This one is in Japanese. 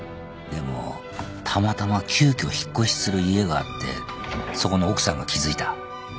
でもたまたま急きょ引っ越しする家があってそこの奥さんが気付いた。